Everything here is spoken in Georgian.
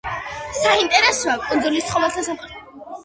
საინტერესოა კუნძულის ცხოველთა სამყაროც.